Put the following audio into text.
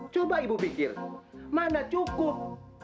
coba ibu pikir mana cukup